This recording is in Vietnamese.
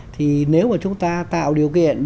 thì nếu mà chúng ta tạo điều kiện